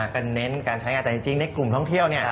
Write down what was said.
ก็เน้นการใช้งานแต่จริงในกลุ่มท่องเที่ยวเนี่ย